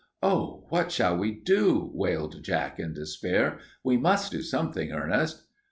"Oh, what shall we do?" wailed Jack in despair. "We must do something, Ernest."